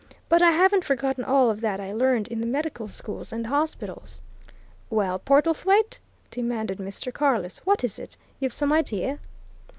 But I haven't forgotten all of that I learned in the medical schools and the hospitals." "Well, Portlethwaite," demanded Mr. Carless, "what is it? You've some idea?"